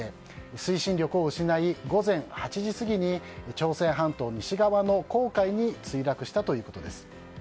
推進力を失い午前８時過ぎに朝鮮半島西側の黄海に墜落したということです。